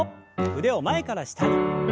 腕を前から下に。